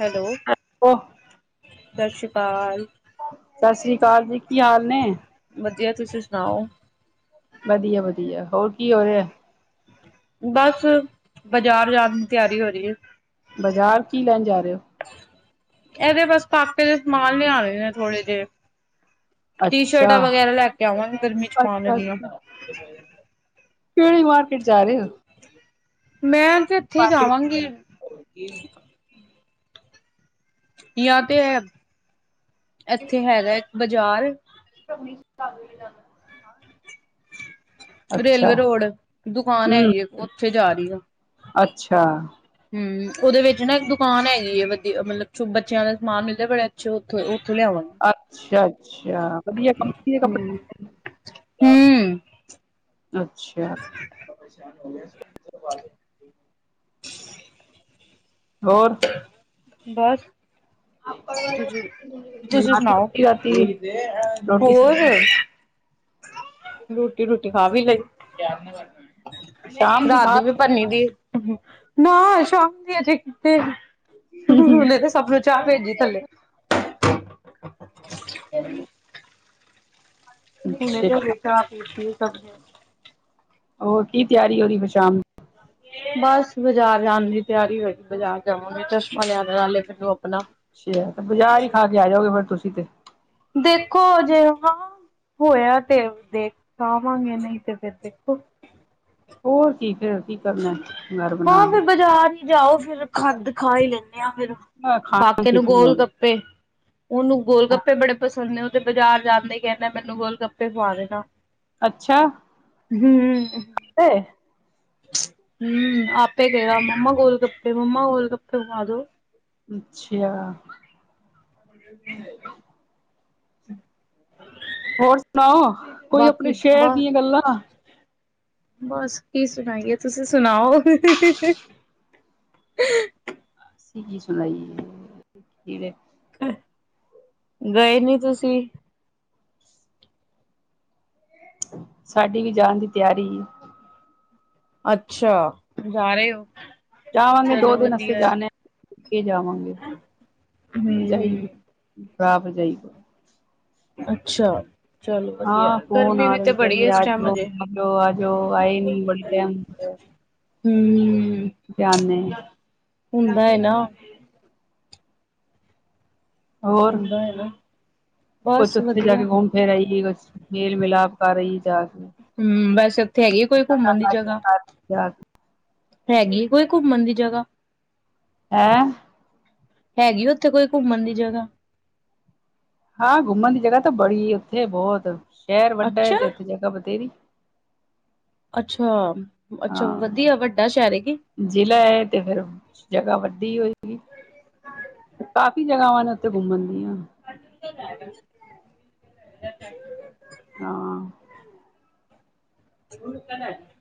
Hello, [unintelligible] ਉਹ ਸਤਿ ਸ਼੍ਰੀ ਅਕਾਲ। ਸਤਿ ਸ੍ਰੀ ਅਕਾਲ ਜੀ। ਕੀ ਹਾਲ ਨੇਂ? ਵਧੀਆ, ਤੁਸੀਂ ਸੁਣਾਓ। ਵਧੀਆ, ਵਧੀਆ। ਹੋਰ ਕੀ ਹੋ ਰਿਹਾ? ਬਸ, ਬਾਜ਼ਾਰ ਜਾਣ ਦੀ ਤਿਆਰੀ ਹੋ ਰਹੀ ਐ। ਬਾਜ਼ਾਰ ਕੀ ਲੈਣ ਜਾ ਰਹੇ ਔ? ਇਹਦੇ ਬਸ ਪਾਕੇੇ ਦੇ ਸਮਾਨ ਲਿਆਣੇ ਨੇਂ, ਥੋੜੇ ਜਿਹੇ ਟੀ ਅੱਛਾ ਸ਼ਰਟਾਂ ਵਗੈਰਾ ਲੈ ਕੇ ਆਵਾਂਗੇ, ਗਰਮੀ ਚ ਪਾਣ ਅੱਛਾ ਆਲੀਆਂ। ਅੱਛਾ ਕਿਹੜੀ ਮਾਰਕੀਟ ਜਾ ਰਹੇ ਔ। ਮੈਂ ਤੇ ਇੱਥੇ ਹੀ ਜਾਵਾਂਗੀ [unintelligible] ਜਾਂ ਤੇ ਐ, ਇੱਥੇ ਹੈਗਾ ਇੱਕ ਬਾਜ਼ਾਰ ਲੀ [inaudible] ਰੇਲਵੇ ਰੋਡ, ਦੁਕਾਨ ਹਮ ਹੈਗੀ ਹੈ, ਉੱਥੇ ਜਾ ਰਹੀ ਆ ਅੱਛਾ। ਹੂ ਉਹਦੇ ਵਿੱਚ ਨਾ ਇੱਕ ਦੁਕਾਨ ਹੈਗੀ ਹੈ, ਵਧੀਆ ਮਤਲਬ ਬੱਚਿਆਂ ਦਾ ਸਮਾਨ ਮਿਲਦੇ ਬੜੇ ਅੱਛੇ, ਉੱਥ ਉੱਥੋਂ ਲਿਆਵਾਂਗੇ ਅੱਛਾ ਅੱਛਾ, ਵਧੀਆ ਕੰਪਨੀ ਦੇ ਹਮ, ਕੱਪੜੇ ਹਮ ਅੱਛਾ ਹੋਰ ਬਸ ਤੁਸੀਂ ਬਣਾ ਲਈ ਸੁਣਾਓ, ਰੋਟੀ ਰਾਤੀ ਦੀ ਰੋਟੀ ਹੋਰ ਸਬਜ਼ੀ ਰੋਟੀ ਰੂਟੀ ਖਾ ਵੀ ਲਈ, ਸ਼ਾਮ ਰਾਤ ਖਾ ਦੀ ਵੀ ਭਨੀ ਦੀ ਏ ਨਾ ਸ਼ਾਮ ਦੀ ਅਜੇ ਕਿਤੇ ਸਭ ਨੂੰ ਚਾਹ ਭੇਜੀ ਥੱਲੇ ਹ [inaudible] ਹੁਣੇ ਅੱਛਾ ਤਾਂ ਹਾਲੇ ਚਾਹ ਪੀਤੀ ਸਭ ਨੇ। ਹੋਰ ਕੀ ਤਿਆਰੀ ਹੋ ਰਹੀ, ਫਿਰ ਸ਼ਾਮ ਦੀ ਬਸ ਬਾਜ਼ਾਰ ਜਾਣ ਦੀ ਤਿਆਰੀ ਹੋਈ, ਬਾਜ਼ਾਰ ਜਾਵਾਂਗੇ ਚਸ਼ਮਾ ਲਿਆਣਾ ਨਾਲੇ ਮੈਂਨੂੰ ਆਪਣਾ ਅੱਛਾ, ਬਾਜ਼ਾਰ ਹੀ ਖਾ ਕੇ ਆ ਜਾਓਗੇ, ਫੇਰ ਤੁਸੀਂ ਤੇ ਦੇਖੋ ਜੇ ਹਾਂ ਹੋਇਆ ਤੇ ਦੇਖ ਆਵਾਂਗੇ, ਨਹੀਂ ਤੇ ਫੇਰ ਦੇਖੋ ਹੋਰ ਕੀ ਫਿਰ ਅਸੀਂ ਹਾਂ, ਫਿਰ ਬਾਜ਼ਾਰ ਹੀ ਜਾਓ, ਫਿਰ ਖੰਡ ਖਾ ਹੀ ਲੈਂਨੇ ਹਾ ਫਿਰ। ਖਾਣਾ ਕੀਤੀ ਹੈ। ਤੇ, ਉਹਨੂੰ ਗੋਲ ਗੱਪੇ ਬੜੇ ਪਸੰਦ ਨੇ। ਤੇ ਬਾਜ਼ਾਰ ਜਾਂਦੇ ਕਹਿਦਾਂ, ਮੈਨੂੰ ਗੋਲ ਗੱਪੇ ਖਾਵੇ ਦੇਣਾ। ਅੱਛਾ ਹੂ [unintelligible] ਹੂੰ ਆਪੇ ਗਏਗਾ ਮੰਮਾ ਗੋਲ ਗੱਪੇ, ਮੰਮਾ ਗੋਲ ਗੱਪੇ ਖਵਾ ਦੋ। ਅੱਛਾ ਹੋਰ ਸੁਣਾਓ, ਕੋਈ ਆਪਣੇ ਬਾਕੀ ਸ਼ਹਿਰ ਬ ਦੀਆਂ ਗੱਲਾਂ? ਬਸ ਕੀ ਸੁਣਾਈਏ, ਤੁਸੀਂ ਸੁਣਾਓ ਅਸੀਂ ਕੀ ਸੁਣਾਈਏ, ਕੀ ਵੇ ਗਏ ਨੀ ਤੁਸੀਂ? ਸਾਡੀ ਵੀ ਜਾਣ ਦੀ ਤਿਆਰੀ ਈ ਐ ਅੱਛਾ, ਜਾ ਰਹੇ ਹੋ ਜਾਵਾਂਗੇ ਦੋ ਚਲੋ ਦਿਨ ਆਸਤੇ ਵਧੀਆ ਹੈ। ਜਾਣਾ ਏ, ਕੀ ਜਾਵਾਂਗੇ, ਭਰਜਾਈ ਹੂੰ ਭਰਾ ਭਰਜਾਈ ਅੱਛਾ ਚਲੋ ਹਾਂ ਵਧੀਆ ਫੌਣ ਗਰਮੀ ਆਰ ਵੀ ਤੇ ਰਹੇ ਬੜੀ ਕਹਂਦੇ, ਹੈ ਇਸ ਟਾਈਮ ਆਜਓ ਅਜੇ। ਆਜਓ ਆ ਜਾਓ, ਆਏ ਨੀ ਬੜੀ ਟਾਈਮ [unintelligible] ਹੂ, ਗਏ ਆਨੇ ਹੁੰਦਾ ਏ ਨ। ਹੁਨਦਾ ਹੈ ਨਾ ਕੁੱਛ ਬਸ ਉੱਥੇ ਜਾ ਵਧੀਆ। ਕੇ ਘੁੰਮ ਫਿਰ ਆਈ ਏ, ਕੁੱਛ ਮੇਲ ਮਿਲਾਪ ਕਰ ਆਈ ਜਾ ਕੇ ਹੂ, ਵੈਸੇ ਉੱਥੇ ਹੈਗੀ ਐ, ਕੋਈ ਘੁੰਮਣ ਦੀ ਜਗ੍ਹਾ ਹੈਗੀ ਐ ਕੋਈ ਘੁੰਮਣ ਦੀ ਜਗ੍ਹਾ? ਹੈਂ? ਹੈਗੀ ਉੱਥੇ ਕੋਈ ਘੁੰਮਣ ਦੀ ਜਗ੍ਹਾ? ਹਾਂ ਘੁੰਮਣ ਦੀ ਜਗ੍ਹਾ ਤਾਂ ਬੜੀ ਉੱਥੇ ਬਹੁਤ, ਸ਼ਹਿਰ ਵੱਡਾ ਹੈ, ਅੱਛਾ ਤੇ ਉੱਥੇ ਜਗ੍ਹਾ ਬਥੇਰੀ ਅੱਛਾ-ਅੱਛਾ ਹਾਂ ਵਧੀਆ ਵੱਡਾ ਸ਼ੈਰ ਐ ਕੀ? ਜ਼ਿਲ੍ਹਾ ਹੈ, ਤੇ ਫੇਰ ਜਗ੍ਹਾ ਵੱਡੀ ਹੋਏਗੀ, ਕਾਫੀ ਜਗਾਵਾਂ ਨੇ ਉੱਥੇ ਘੁੰਮਣ ਦੀਆਂ। [unintelligible] ਥਕ [unintelligible] ਹਾਂ [unintelligible]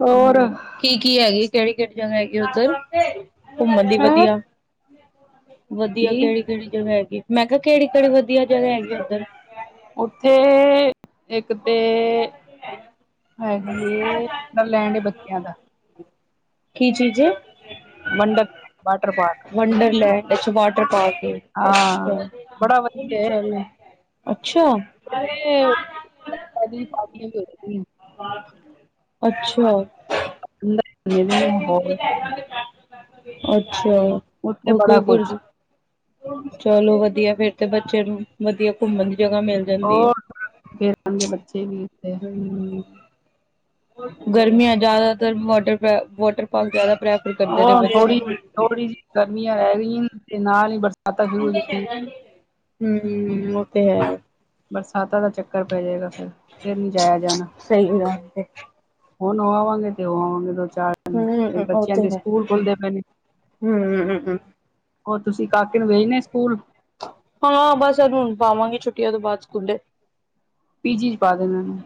ਹੋਰ ਹੂੰ ਕੀ-ਕੀ ਹੈਗੀ ਕੇੜੀ-ਕੇੜੀ ਜਗਾ ਹੈਗੀ ਉੱਧਰ ਘੁੰਮਣ ਦੀ ਹੈਂ ਵਧੀਆ? ਕੀ ਵਧੀਆ ਕਿਹੜੀ- ਕਿਹੜੀ ਜਗਾ ਹੈਗੀ। ਮੈਂ ਕਿਹਾ ਕਿਹੜੀ- ਕਿਹੜੀ ਵਧੀਆ ਜਗਾ ਹੈਗੀ ਉੱਧਰ। ਓਥੇ ਇੱਕ ਤੇ ਹੈਗੀਏ। ਵੰਡਰਲੈਂਡ ਏ ਬੱਚਿਆਂ ਦਾ। ਕੀ ਚੀਜ਼ ਏ? ਵੰਡਰਲੈਂਡ ਵਾਟਰ ਪਾਰਕ ਵੰਡਰਲੈਂਡ, ਅੱਛਾ ਵਾਟਰਟਰ ਪਾਰਕ, ਏ ਹਾਂ ਅੱਛਾ। ਬੜਾ ਵਧੀਆ ਐ। ਚਲੋ ਅੱਛਾ! ਤੇ ਪਾਰਟੀਆਂ ਵੀ [unintelligible] ਅੱਛਾ। [unintelligible] ਨੇ ਹੋਰ ਅੱਛਾ, ਉੱਥੇ ਹੋਰ ਬੜਾ ਕੋਈ ਕੁਛ [unintelligible] ਚਲੋ ਵਧੀਆ, ਫੇਰ ਤੇ ਬੱਚੇ ਨੂੰ ਵਧੀਆ ਘੁੰਮਣ ਦੀ ਜਗਾ ਮਿਲ ਜਾਂਦੀ ਏ। ਹੋਰ ਖੇਡਣਗੇ ਬੱਚੇ ਵੀ ਉੱਥੇ। ਹੂੰ, ਹੋਰ ਗਰਮੀਆਂ ਜਿਆਦਾਤਰ ਵਾਟਰ ਵਾਟਰ ਪਾਰਕ ਜਿਆਦਾ ਪ੍ਰਿਆ- ਉਹ ਥੋੜੀ- ਥੋੜੀ ਜਿਹੀ ਗਰਮੀਆਂ ਰਹਿ ਗਈਆਂ ਤੇ ਨਾਲ ਹੀ ਬਰ- ਹੂੰ ਉਹ ਤੇ ਹੈ। ਬਰਸਾਤਾਂ ਦਾ ਚੱਕਰ ਪੈ ਜਾਏਗਾ ਫੇਰ। ਸਹੀ ਗੱਲ ਤੇ। ਹੁਣ ਹੋ ਆਵਾਂਗੇ ਤੇ, ਹੋ ਆਵਾਂਗੇ ਦੋ- ਚਾਰ ਦਿਨ। ਹੂੰ, ਫੇਰ ਬੱਚਿਆਂ ਦੇ ਸਕੂਲ ਖੁੱਲਦੇ ਪਏ ਨੇ। ਹੂੰ-ਹੂੰ, ਹੂੰ- ਹੂੰ। ਉਹ ਤੁਸੀਂ ਕਾਕੇ ਨੂੰ ਭੇਚਣੇ ਸਕੂਲ? ਹਾਂ ਬਸ ਹੁਣ ਉਹਨੂੰ ਪਾਵਾਂਗੇ ਛੁੱਟੀਆਂ ਤੋਂ ਬਾਅਦ ਸਕੂਲੇ। ਪੀਜੀ ਚ ਪਾ ਦੇਣਾ ਇਨੂੰ।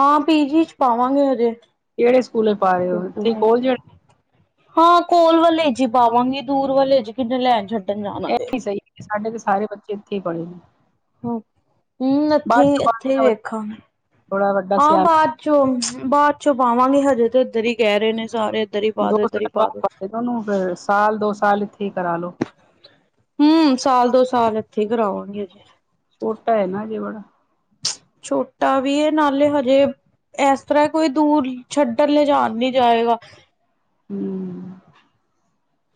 ਹਾਂ ਪੀਜੀ ਚ ਪਾਵਾਂਗੇ ਹਜੇ। ਕੇੜੇ ਸਕੂਲੇ ਪਾ ਰੇ ਓ ਏਥੇ ਕੋਲ ਜੇੜੇ? ਹਾਂ ਕੋਲ ਵਾਲੇ ਹੀ ਚ ਪਾਵਾਂਗੀ। ਦੂਰ ਵਾਲੇ ਜੀ ਕਿੰਨੇ ਲੈਣ ਛੱਡਣ ਜਾਣਾ ਇਹ ਪਏਗਾ। ਨੀ ਸਹੀ ਸਾਡੇ ਤੇ ਸਾਰੇ ਬੱਚੇ ਏਥੇ ਈ ਪੜੇ ਨੇ। ਹੂੰ, ਇੱਥੇ ਬਾਅਦ ਹੀ, ਇੱਥੇ ਹੀ ਚੋਂ ਵੇਖਾਂ ਥੋੜਾ ਵੱਡਾ ਹਾਂ ਸਿਆਣਾ ਬਾਅਦ ਚੋ ਬਾਅਦ ਚੋਂ ਪਾਵਾਂਗੇ ਹਜੇ ਤੇ ਇੱਧਰ ਹੀ, ਕਹਿ ਰਹੇ ਨੇ ਸਾਰੇ ਇੱਧਰ ਹੀ ਪਾ ਦੋ ਦੇ, ਇੱਧਰ ਹੀ ਸਾਲ ਪਾ ਬਾਅਦ ਦੇ। ਦੇਣਾ ਉਹਨੂੰ ਫੇਰ ਸਾਲ ਦੋ ਸਾਲ ਇੱਥੇ ਹੀ ਕਰਾ ਲੋ। ਹੂੰ, ਸਾਲ ਦੋ ਸਾਲ ਇੱਥੇ ਕਰਾਉਣਗੀ ਛੋਟਾ ਐ ਨਾ ਅਜੇ ਬੜਾ। ਛੋਟਾ ਵੀ ਨਾਲੇ ਹਜੇ ਇਸ ਤਰਾਂ ਹੈ। ਕੋਈ ਦੂਰ ਛੱਡਣ ਲਿਜਾਣ ਨੀ ਜਾਏਗਾ। ਹੂੰ।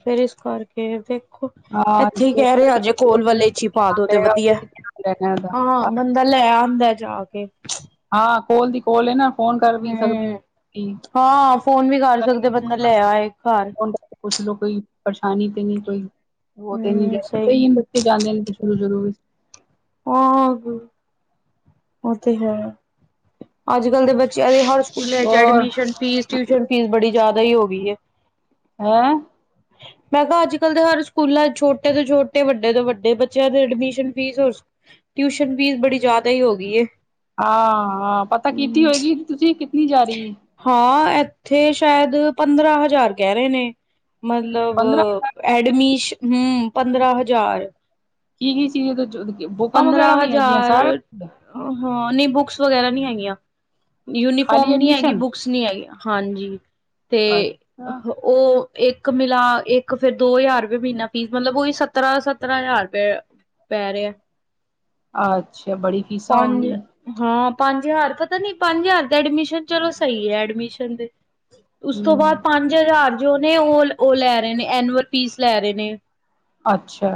ਫੇਰ ਇਸ ਕਰਕੇ। ਦੇਖੋ ਹਾਂ ਇੱਥੇ ਹੀ ਕਹਿ ਛੋਟਾ ਰਿਹੇ ਜੇ ਕੋਲ ਵਾਲੇ ਚੀ ਪਾ ਦੋ ਤੇ ਵਧੀਆ। [unintelligible] ਓਦਾ ਹਾਂ ਬੰਦਾ ਲੈ ਆਉਂਦਾ ਹੈ, ਜਾ ਕੇ। ਹਾਂ, ਕੋਲ ਦੀ ਕੋਲ ਐ ਨਾ। ਫੋਨ ਕਰ ਵੀ ਹੂੰ। ਸਕਦੇ ਕੀ ਹਾਂ ਫੋਨ ਵੀ ਕਰ ਸਕਦੇ ਬੰਦਾ ਲੈ ਆਏ ਘਰ [unintelligible] ਪੁਛ ਲੋ ਕੋਈ ਪਰੇਸ਼ਾਨੀ ਤੇ ਨਹੀਂ ਕੋਈ ਹੋ ਤੇ ਨਹੀਂ ਹੂੰ ਰਿਹਾ ਸਹੀ ਬਣੀ। ਜਾਂਦੇ ਨੇ ਤੇ ਸ [unintelligible] ਵੀ ਹਾਂ ਓ ਤੇ ਹੈ ਅੱਜ ਕੱਲ ਦੇ ਬੱ ਬੱਚਿਆਂ ਦੇ ਹਰ ਸਕੂਲੇ ਏਚ ਔਰ ਐਡਮਿਸ਼ਨ ਫੀਸ, ਟਿਊਸ਼ਨ ਫੀਸ, ਬੜੀ ਜਾਦਾ ਈ ਹੋ ਗਈ ਐ। ਹੈਂ? ਮੈਂ ਕਿਹਾ ਅੱਜ ਕੱਲ੍ਹ ਦੇ ਹਰ ਸਕੂਲਾਂ ਏਚ ਛੋਟੇ ਤੋਂ ਛੋਟੇ, ਵੱਡੇ ਤੋਂ ਵੱਡੇ, ਬੱਚਿਆਂ ਦੇ ਐਡਮਿਸ਼ਨ ਫੀਸ [unintelligible] ਟਿਊਸ਼ਨ ਫੀਸ ਬੜੀ ਜਾਦਾ ਈ ਹੋ ਗਈ ਏ। ਆ ਹਾਂ ਪਤਾ ਕੀਤੀ ਹੋਏਗੀ, ਤੁਸੀਂ ਕਿਤਨੀ ਜਾ ਰੀ? ਹਾਂ ਐਥੇ ਸ਼ਾਏਦ ਪੰਦਰਾਂ ਹਜ਼ਾਰ ਕੈ ਰੇ ਨੇ, ਮਤਲਵ ਪੰਦਰਾਂ ਹਜ਼ਾਰ ਐਡਮੀਸ਼ ਹਮ ਪੰਦਰਾਂ ਹਜ਼ਾਰ। ਕੀ-ਕੀ ਸੀ ਉਦੇ [unintelligible] ਬੁੱਕਾਂ ਵਗੈਰਾ ਵੀ ਹੈਗੀਆਂ ਸਾਰਾ ਕੁਜ ਏ? ਆ ਹਾਂ ਨਈ ਬੁਕਸ ਵਗੈਰਾ ਨਹੀਂ ਹੈਗੀਆਂ, ਖਾਲੀ ਯੂਨੀਫੋਮ ਨੀ ਹੈਗੀ ਐਡਮਿਸ਼ਨ ਬੁ ਕੁਛ ਨੀ ਆਈ, ਹਾਂਜੀ ਤੇ ਅੱਛਾ ਓ ਏਕ ਮਿਲਾ ਏਕ, ਫੇਰ ਦੋ ਹਜ਼ਾਰ ਰੁਪਏ ਮਹੀਨਾ ਫੀਸ, ਮਤਲਬ ਓਹੀ ਸਤਰਾਂ-ਸਤਰਾਂ ਹਜ਼ਾਰ ਰੁਪਏ ਪੈ ਰੇਆ ਐ। ਅੱਛਾ, ਬੜੀ ਫੀਸਾਂ ਹੋ ਪਾਂਜ ਗਈ ਹਾਂ ਪੰਜ ਹਜ਼ਾਰ, ਪਤਾ ਨੀ ਪੰਜ ਹਜ਼ਾਰ ਤੇ ਐਡਮਿਸ਼ਨ ਚਲੋ ਸਈ ਏ, ਐਡਮਿਸ਼ਨ ਦੇ। ਉਸ ਤੋਂ ਬਾਅਦ ਹਮ ਪੰਜ ਹਜ਼ਾਰ ਜੋ ਨੇ ਉਹ, ਉਹ ਲੈ ਰਏ ਨੇ ਐਨੂਅਲ ਫੀਸ ਲੈ ਰਹੇ ਨੇ। ਅੱਛਾ।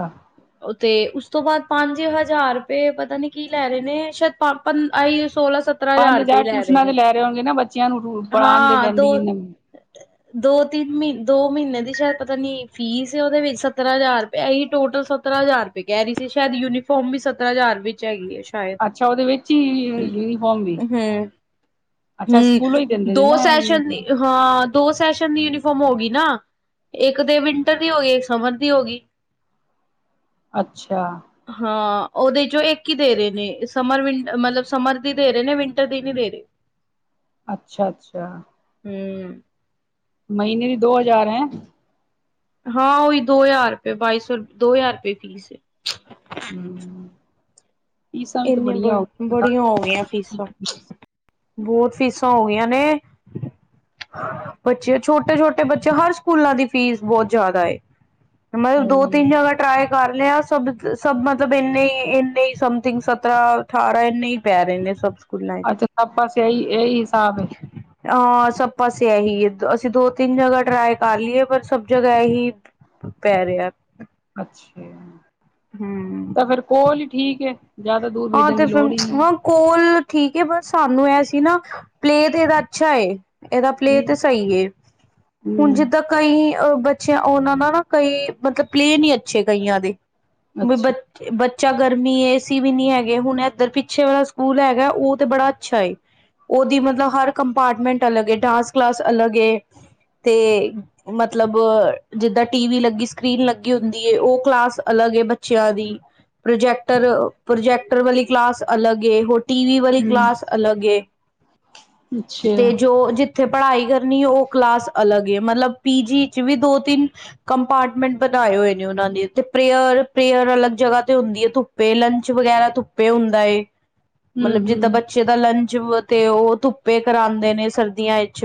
ਉਹ ਤੇ, ਉਸ ਤੋਂ ਬਾਅਦ ਪੰਜ ਹਜ਼ਾਰ ਰੁਪਏ, ਪਤਾ ਨੀ ਕਿ? ਲੈ ਰਏ ਨੇ, ਸ਼ੇਦ ਪਾਪਨ ਆਈਓ ਸੋਲਾਂ ਸੱ ਪੰਜ ਹਜ਼ਾਰ ਟਿਊਸ਼ਨਾਂ ਦੇ ਲੈ ਰਹੇ ਹੋਣਗੇ ਨਾ, ਬੱਚਿਆਂ ਨੂੰ ਰੁਲ ਪੜ੍ਹਾਣ ਦੇ ਹਾਂ ਲੈਂਦੀ ਦੋ ਜਿੰਨੇ। ਦੋ ਤਿੰਨ ਮੀ, ਦੋ ਮੀਨੇ ਦੀ ਸ਼ਾਇਦ ਪਤਾ ਨੀ ਫੀਸ ਏ ਓਦੇ ਵਿੱਚ, ਸਤਰਾਂ ਹਜ਼ਾਰ ਏਹੀ ਟੋਟਲ ਸਤਰਾਂ ਹਜ਼ਾਰ ਰੁਪਏ ਕਹਿ ਰਹੀ ਸੀ, ਸ਼ਾਏਦ ਯੂਨੀਫੋਰਮ ਵੀ ਸੱਤਰਾਂ ਹਜ਼ਾਰ ਵਿੱਚ ਹੈਗੀ ਏ। ਅੱਛਾ ਉਹਦੇ ਵਿੱਚ ਹੀ-ਹੀ ਯੂਨੀਫੋਮ ਵੀ? ਹਮ ਅੱਛਾ ਹਮ ਸਕੂਲੋਂ ਈ ਦਿੰਦੇ ਨੇ ਦੋ ਨਾ ਏਹ ਸੈਸ਼ਨ ਦੀ ਯੂਨੀਫੋਮ? ਹਾਂ, ਦੋ ਸੈਸ਼ਨ ਦੀ ਯੂਨੀਫੋਮ ਹੋ ਗਈ ਨਾ। ਏਕ ਤੇ ਵਿੰਟਰ ਦੀ ਹੋ ਗਈ, ਏਕ ਸਮਰ ਦੀ ਹੋ ਗਈ। ਅੱਛਾ। ਹਾਂ, ਉਹਦੇ ਚੋਂ ਏਕ ਈ ਦੇ ਰਏ ਨੇ, ਸਮਰ ਵਿਨ ਮਤਲਬ ਸਮਰ ਦੀ ਦੇ ਰਏ ਨੇ, ਵਿੰਟਰ ਦੀ ਨੀ ਦੇ ਰਏ। ਅੱਛਾ-ਅੱਛਾ। ਹੂੰ। ਮਹੀਨੇ ਵੀ ਦੋ ਹਜ਼ਾਰ ਹੈ। ਹਾਂ ਉਈ, ਦੋ ਹਜ਼ਾਰ ਰੁਪਏ, ਬਾਈ ਸੌ, ਦੋ ਹਜ਼ਾਰ ਰੁਪਏ ਫੀਸ ਏ। ਹੂੰ। ਇੰਨੀ ਬ ਬੜੀਆਂ ਹੋ ਗਈਆਂ ਫੀਸਾਂ। ਬੌਤ ਫੀਸਾਂ ਹੋ ਗਈਆਂ ਨੇ। ਬੱਚੇ ਛੋਟੇ-ਛੋਟੇ ਬੱਚੇ, ਹਰ ਸਕੂਲਾਂ ਦੀ ਫੀਸ ਬਹੋਤ ਜ਼ਿਆਦਾ ਏ। ਮਲਬ ਦੋ ਤਿੰਨ ਹਮ ਜਗ੍ਹਾ ਟਰਾਏ ਕਰ ਲਿਆ। ਸਭ ਦ ਸਭ ਮਤਲਬ ਏਨੇ ਈ, ਏਨੇ ਈ ਸਮ ਥਿੰਗ ਸਤਰਾਂ ਅਠਾਰਾਂ ਇੰਨੇ ਈ ਪੈ ਰਏ ਨੇ ਸਭ। ਸਕੂਲਾਂ ਚ ਅੱਛਾ ਪਾਪਾ ਸਹੀ ਏਹੀ ਹਿਸਾਬ ਏ। ਹਾਂ ਸਭ ਪਾਸੇ ਏਹੀ ਹੈ, ਅਸੀਂ ਦੋ ਤਿੰਨ ਜਗ੍ਹਾ ਟਰਾਈ ਕਰ ਲਈ ਏ ਪਰ ਸਭ ਜਗ੍ਹਾ ਏਹੀ ਪੈ ਰੇਆ। ਅੱਛਾ। ਹੂੰ। ਤਾਂ ਫੇਰ ਕੋਲ ਈ ਠੀਕ ਹੈ, ਜ਼ਿਆਦਾ ਦੂਰ ਭੇਜਣ ਤੇ ਦੀ ਲੋੜ ਫਿਰ ਹੀ ਨਈ। ਹਾਂ ਕੋਲ ਠੀਕ ਏ, ਪਰ ਸਾਨੂੰ ਐ ਸੀ ਨਾ, ਪਲੇ ਤੇ ਏਹਦਾ ਅੱਛਾ ਏ। ਏਹਦਾ ਪਲੇ ਹੈ। ਤੇ ਸਹੀ ਏ, ਹੁਣ ਹੂੰ ਜਿੱਦਾਂ ਕਈ ਅਹ ਬੱਚਿਆਂ, ਉਹਨਾਂ ਦਾ ਨਾ, ਕਈ ਮਤਲਬ ਪਲੇ ਨਹੀਂ ਅੱਛੇ ਕਈਆਂ ਦੇ। ਬੀ ਬ ਅੱਛਾ ਬੱਚਾ ਗਰਮੀ ਏ, ਏ ਸੀ ਵੀ ਨਈ ਹੈ ਗੇ, ਹੁਣ ਏਧਰ ਪਿੱਛੇ ਵਾਲਾ ਸਕੂਲ ਹੈਗਾ, ਉਹ ਤੇ ਬੜਾ ਅੱਛਾ ਏ। ਉਹਦੀ ਮਤਲਬ ਹ, ਰ ਕੰਪਾਰਟਮੈਂਟ ਅਲੱਗ, ਏ ਡਾਂਸ ਕਲਾਸ ਏ ਅਲੱਗ ਤੇ ਮਤਲਬ, ਜਿੱਦਾਂ ਟੀ ਵੀ ਲੱਗੀ ਸਕਰੀਨ ਲੱਗੀ ਹੁੰਦੀ, ਉਹ ਕਲਾਸ ਅਲੱਗ ਏ ਬੱਚਿਆਂ ਦੀ ਪ੍ਰੋਜੈਕਟਰ -ਪ੍ਰੋਜੈਕਟਰ ਵਾਲੀ ਕਲਾਸ, ਅਲੱਗ ਏ, ਟੀਵੀ, ਵਾਲੀ ਹੂੰ ਕਲਾਸ ਅਲੱਗ ਏ, ਅੱਛਾ ਜੋ ਜਿੱਥੇ ਉੱਥੇ ਪੜ੍ਹਾਈ ਕਰਨੀ, ਉਹ ਕਲਾਸ ਅਲੱਗ ਏ ਮਤਲਬ ਪੀ-ਜੀੀ ਚ ਵੀ ਦੋ ਤਿੰਨ ਕੰਪਾਰਟਮੈਂਟ ਬਣਾਏ ਹੋਏ ਨੇ, ਉਹਨਾਂ ਨੇ ਤੇ ਪ੍ਰੇਅਰ ਪ੍ਰੇਅਰ ਅਲੱਗ ਜਗ੍ਹਾ ਤੇ ਹੁੰਦੀ ਧੁੱਪ, ਵੇ ਧੁੱਪੇ ਲੰਚ ਵਗੈਰਾ, ਧੁੱਪੇ ਹੁੰਦਾ ਏ ਹੂੰ ਮਤਲਬ ਹੂੰ ਜਿੱਦਾਂ ਬੱਚੇ? ਬੱਚੇ ਦਾ ਲੰਚ ਤੇ, ਉਹ ਧੁੱਪੇ ਕਰਾਉਂਦੇ ਨੇ ਸਰਦੀਆਂ ਵਿੱਚ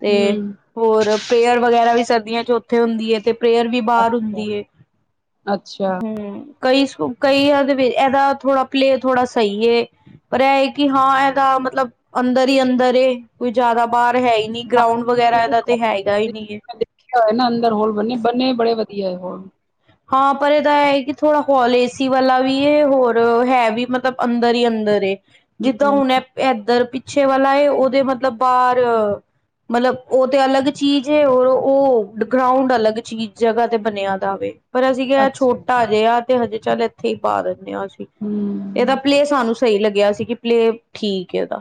ਤੇ, ਹੂੰ ਹੋਰ, ਪ੍ਰੇਅਰ ਵਗੈਰਾ ਵੀ ਸਰਦੀਆਂ ਚ, ਉੱਥੇ ਹੁੰਦੀ ਹੈ ਤੇ, ਪ੍ਰੇਅਰ ਵੀ, ਬਾਹਰ ਅੱਛਾ ਹੁੰਦੀ ਏ, ਅੱਛਾ ਹੂ ਕਈ -ਕਈ ਇਹਦੇ ਇਹਦਾ? ਥੋੜਾ ਪਲੇਅ, ਥੋੜਾ ਸਹੀ ਏ, ਪਰ ਇਹਏ ਕਿ, ਹਾਂ ਇਹ ਤਾਂ ਮਤਲਬ ਅੰਦਰ ਹੀ ਅੰਦਰ ਏ, ਕੋਈ ਜ਼ਿਆਦਾ ਬਾਹਰ ਹੈ ਹੀ ਨਹੀਂ। ਗਰਾਊਂਡ ਵਗੈਰਾ, ਏਦਾ ਤੇ ਹੈਗਾ ਹੀ ਨਈ ਹੈ। ਏ ਨਾ ਅੰਦਰ ਹੋਲ ਬਨੇ ਬਣੇ ਬੜੇ ਵਧੀਆਏ ਹੋਲ। ਹਾਂ, ਪਰ ਇਹਦਾ ਹੈ ਕਿ, ਥੋੜਾ ਹੋਲ ਏਸੀ ਵਾਲਾ ਵੀ, ਹੋਰ ਹੈ ਵੀ ਮਤਲਬ ਅੰਦਰ ਹੀ ਅੰਦਰ ਏ, ਜਿੱਦਾਂ ਹੂੰ ਹੁਣ।, ਐ ਇਧਰ ਪਿੱਛੇ ਵਾਲਾ ਹੈ। ਉਹਦੇ ਮਤਲਬ ਬਾਹਰ ਮਤਲਬ, ਉਹ ਤੇ ਅਲੱਗ ਚੀਜ਼ ਏ ਉਹ ਗਰਾਉਂਡ, ਅਲੱਗ ਚੀਜ਼ ਜਗ੍ਹਾ ਤੇ, ਬਣਿਆ ਜਾਵੇ ਪਰ ਅਸੀਂ ਕਿਹਾ, ਅੱਛਾ ਛੋਟਾ ਜਿਹਾ ਤੇ ਹਜੇ ਚੱਲ ਇੱਥੇ ਹੀ, ਪਾ ਦਿੰਦੇ ਹਾਂ ਅਸੀਂ। ਹਮ। ਇਹਦਾ ਪਲੇਅ ਸਾਨੂੰ ਸਹੀ, ਲੱਗਿਆ ਸੀ ਕਿ ਪਲੇਅ ਠੀਕ ਹੈ ਇਹਦਾ।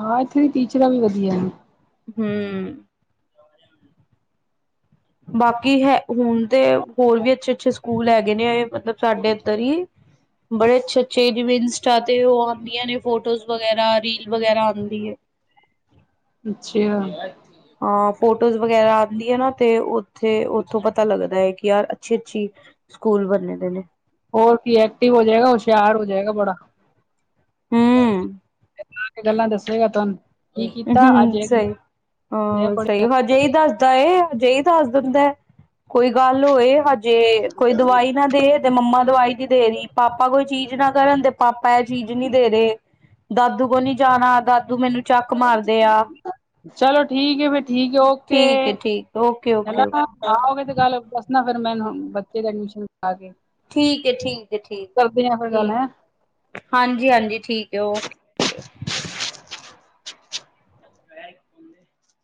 ਹਾਂ ਇੱਥੇ ਦੀ ਟੀਚਰਾਂ ਵੀ, ਵਧੀਆ ਨੇ, ਹਮ। ਬਾਕੀ ਐ ਹੁਣ ਤੇ ਹੋਰ ਵੀ, ਅੱਛੇ -ਅੱਛੇ ਸਕੂਲ ਹੈਗੇ ਨੇ, ਮਤਲਬ, ਸਾਡੇ ਇੱਧਰ ਈ, ਬੜੇ ਅੱਛੇ-ਅੱਛੇ ਇੰਸਟਾ ਤੇ ਉਹ ਆਂਦੀਆਂ ਨੇ ਫੋਟੋਜ਼ ਵਗੈਰਾ, ਰੀਲ ਵਗੈਰਾ ਆਂਦੀ ਏ, ਅੱਛਾ। ਹ ਫੋਟੋਜ਼ ਵਗੈਰਾ ਆਉਂਦੀ ਆ ਨਾ, ਤੇ ਉੱਥੇ- ਉੱਥੋਂ ਪਤਾ ਲੱਗਦਾ ਹੈ ਕਿ ਯਾਰ? ਛੀ- ਛੀ ਸਕੂਲ ਬੰਨੇ ਦੇ ਨੇ, ਹੋਰ ਕੀ, ਐਕਟਿਵ ਹੋ ਜਾਏਗਾ, ਹੁਸ਼ਿਆਰ ਹੋ ਜਾਏਗਾ ਬੜਾ ਹੂੰ ਗੱਲਾਂ ਦੱਸੇਗਾ, ਤੁਹਾਨੂੰ। ਕੀ ਹੂ ਹੂ ਕੀਤਾ [inaudible] ਅੱਜ ਓਂ ਫਿਰ ਇਹ ਸਹੀ ਕੀਤਾ ਇਹ ਹ ਪੜ੍ਹਿਆ ਸਹੀ ਹ ਅਜੇ ਹੀ ਦੱਸਦਾ, ਅਜੇ ਹੀ ਦੱਸ ਦਿੰਦਾ ਕੋਈ ਗੱਲ ਹੋਏ ਹਜੇ ਕੋਈ ਦਵਾਈ ਨਾ, ਦੇ ਤੇ ਮੰਮਾ, ਦਵਾਈ ਦੀ ਦੇ ਰਹੀ, ਪਾਪਾ ਕੋਈ ਚੀਜ਼ ਨਾ ਕਰਨ ਤੇ ਪਾਪਾ ਇਹ ਚੀਜ਼ ਨਹੀਂ, ਦੇ ਰਹੇ ਦਾਦੂ, ਕੋਲ ਨੀ ਜਾਣਾ, ਦਾਦੂ ਮੈਨੂੰ, ਚੱਕ ਮਾਰਦੇ ਆ ਚਲੋ, ਠੀਕ ਏ ਫੇਿਰ ਠੀਕ ਏ, ਓਕੇ ਠੀਕ ਹੈ ਠੀਕ ਓਕੇ ਓਕੇ ਚ ਓਕੇ ਆਓਗੇ ਤੇ, ਗੱਲ ਦੱਸਣਾ ਫਿਰ, ਮੈਂ ਬੱਚੇ ਦੀ ਐਡਮਿਸ਼ਨ ਕਰਾ ਕੇ ਠੀਕ ਹੈ, ਠੀਕ ਹੈ, ਠੀਕ- ਕਰਦੇ ਆ ਫਿਰ ਗੱਲ ਹੈਂ ਠੀਕ। ਹਾਂਜੀ- ਹਾਂਜੀ ਠੀਕ ਹੈ ਓਕੇ। ਓਕੇ। ਡ ਬਦੇ [inaudible]